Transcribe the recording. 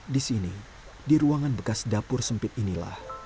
di sini di ruangan bekas dapur sempit inilah